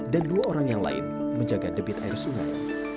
dan dua orang yang lain menjaga debit air sungai